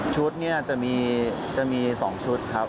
ชุดเนี่ยจะมี๒ชุดครับ